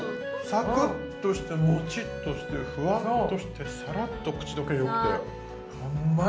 サクッとしてモチッとしてフワッとしてサラッと口溶けよくてうんまい！